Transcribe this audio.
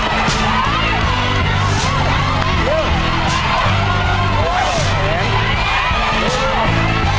ฐานด้วยเป็นการพังพัง